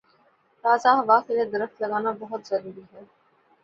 تازہ ہوا کے لیے درخت لگانا بہت ضروری ہے